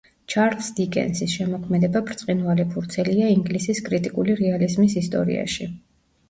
ჩარლზ დიკენსის შემოქმედება ბრწყინვალე ფურცელია ინგლისის კრიტიკული რეალიზმის ისტორიაში.